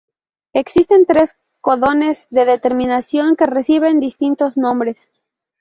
Existen tres codones de terminación, que reciben distintos nombres.